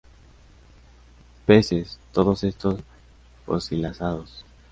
Peces, todos estos fosilizados.